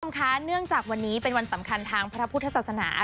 คุณผู้ชมคะเนื่องจากวันนี้เป็นวันสำคัญทางพระพุทธศาสนา